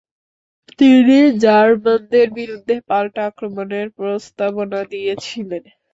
তিনি জার্মানদের বিরুদ্ধে পাল্টা আক্রমণের প্রস্তাবনা দিয়েছিলেন।